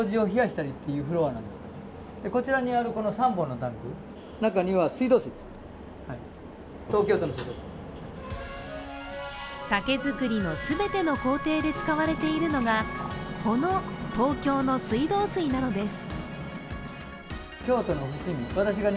階段を上り、まず向かったのは酒造りの全ての工程で使われているのが、この東京の水道水なのです。